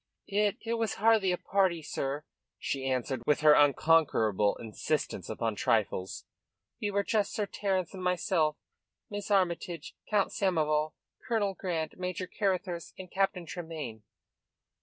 "It it was hardly a party, sir," she answered, with her unconquerable insistence upon trifles. "We were just Sir Terence and myself, Miss Armytage, Count Samoval, Colonel Grant, Major Carruthers and Captain Tremayne."